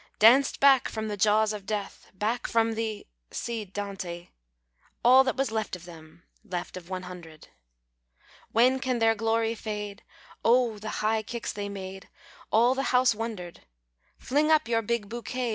Danced back from the jaws of death, Back from the (see Dante), All that was left of them, Left of one hundred. ■When can their glory fade ? Oh, the high kicks they made ! All the house wondered. Fling up your big bouquet.